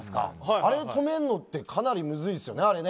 あれを止めるのはかなりむずいですよね。